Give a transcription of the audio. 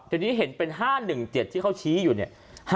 ทีนี้เห็นเป็น๕๑๗ที่เขาชี้อยู่เนี่ย